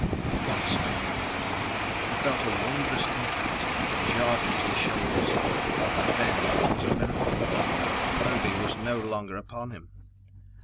Once only. He felt a wondrous impact that jarred him to the shoulders and then it was a miracle. Obe was no longer upon him.